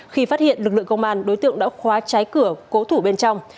khi phát hiện lực lượng công an đối tượng đã khóa trái cửa cố thủ bên trong